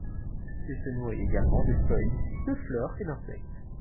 Il se nourrit également de feuilles, de fleurs et d'insectes.